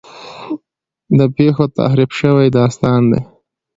د پېښو تحریف شوی داستان دی.